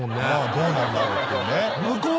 どうなんだろうってね。